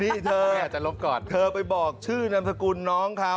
นี่เธออาจจะลบก่อนเธอไปบอกชื่อนามสกุลน้องเขา